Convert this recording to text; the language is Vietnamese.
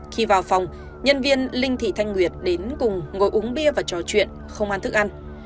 khi vào phòng nhân viên linh thị thanh nguyệt đến cùng ngồi uống bia và trò chuyện không ăn thức ăn